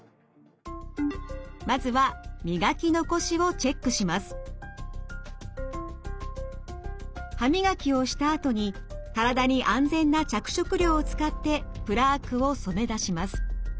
まずは歯磨きをしたあとに体に安全な着色料を使ってプラークを染め出します。